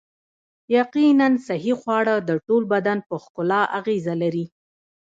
یقیناً صحي خواړه د ټول بدن په ښکلا اغیزه لري